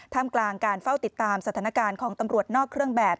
มกลางการเฝ้าติดตามสถานการณ์ของตำรวจนอกเครื่องแบบ